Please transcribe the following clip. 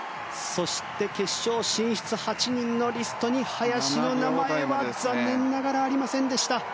そして、決勝進出８人のリストに林の名前は、残念ながらありませんでした。